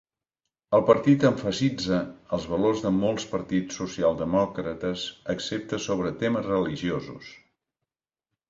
El partit emfasitza els valors de molts partits socialdemòcrates, excepte sobre temes religiosos.